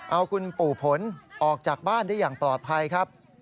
เอาคุณปู่ผลออกจากบ้านได้อย่างปลอดภัยครับ